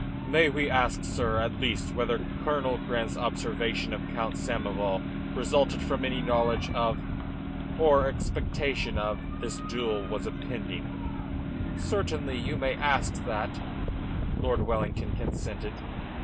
"May we ask, sir, at least whether Colonel Grant's observation of Count Samoval resulted from any knowledge of, or expectation of, this duel that was impending?" "Certainly you may ask that," Lord Wellington, consented.